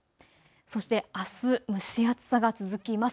そして、あす蒸し暑さが続きます。